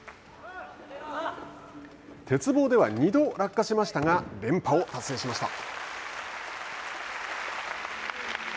鉄棒では２度落下しましたが連覇を達成しました。